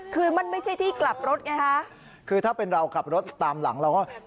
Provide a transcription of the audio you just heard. คือมันไม่ใช่ที่กลับรถไงฮะคือถ้าเป็นเราขับรถตามหลังเราก็